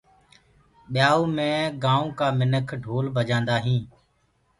ٻيآئوٚ مي گآئونٚ ڪآ منک ڍول بجآندآ هينٚ۔